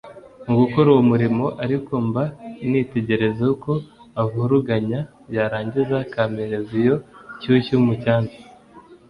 mu gukora uwo murimo ariko mba nitegereza uko avuruganya, yarangiza akampereza iyo nshyushyu mu cyansi